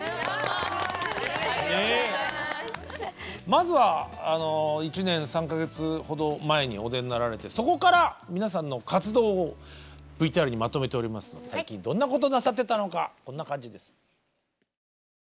まずは１年３か月ほど前にお出になられてそこから皆さんの活動をＶＴＲにまとめておりますので最近どんなことなさってたのかこんな感じです。